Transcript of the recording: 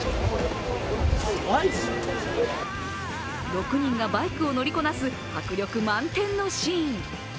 ６人がバイクを乗りこなす迫力満点のシーン。